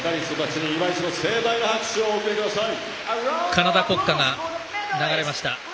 カナダ国歌が流れました。